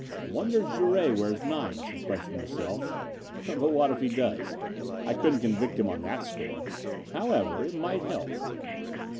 "Wonder if Jouret wears nines," he questioned himself. "But what if he does? I couldn't convict him on that score. However, it might help."